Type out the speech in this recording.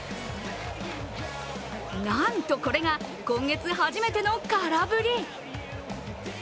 なんとこれが今月初めての空振り。